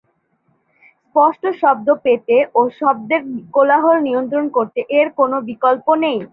স্পষ্ট শব্দ পেতে ও শব্দের কোলাহল নিয়ন্ত্রণ করতে এর বিকল্প নেই।